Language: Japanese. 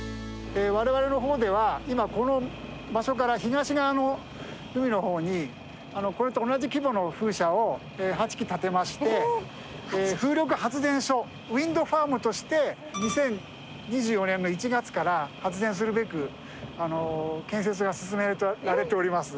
我々の方では今この場所から東側の海の方にこれと同じ規模の風車を８基建てまして風力発電所ウインドファームとして２０２４年の１月から発電するべく建設が進められております。